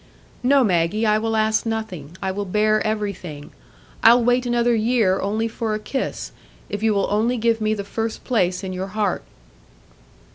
"No, Maggie, I will ask nothing; I will bear everything; I'll wait another year only for a kiss, if you will only give me the first place in your heart."